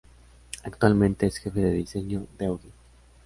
Actualmente es jefe de diseño de Audi.